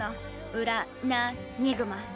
ウラ・ナ・ニグマ。